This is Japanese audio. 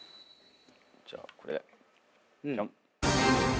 じゃあこれ。